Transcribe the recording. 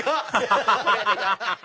ハハハハ！